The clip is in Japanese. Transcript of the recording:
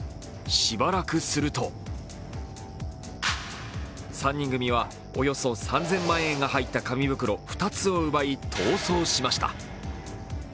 しばらくすると３人組はおよそ３０００万円が入った紙袋２つを奪い逃走しました。